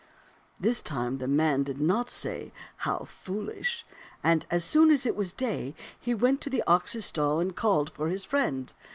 " This time the man did not say, * How foolish !' and as soon as it was day, he went to the ox's stall and called for his friend.